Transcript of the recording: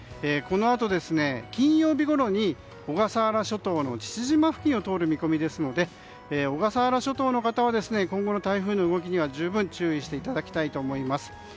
このあと金曜日ごろに小笠原諸島の父島付近を通る見込みですので小笠原諸島の方は今後の台風の動きには十分に注意していただきたいと思います。